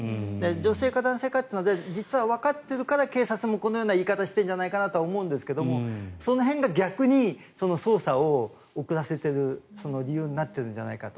女性か男性かで実はわかっているから警察もこのような言い方をしているかなと思うんですがその辺が逆に捜査を遅らせている理由になってるんじゃないかと。